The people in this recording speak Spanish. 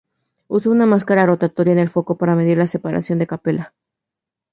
Usó una máscara rotatoria en el foco para medir la separación de Capella.